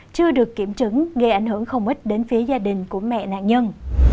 chưa được kiểm chứng gây ảnh hưởng không ít đến phía gia đình của mẹ nạn nhân